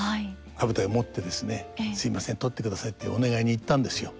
羽二重を持ってですね「すみません取ってください」ってお願いに行ったんですよ。